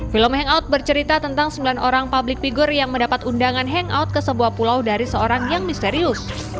film hangout bercerita tentang sembilan orang public figure yang mendapat undangan hangout ke sebuah pulau dari seorang yang misterius